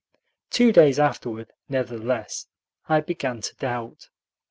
Two days afterward, nevertheless, I began to doubt.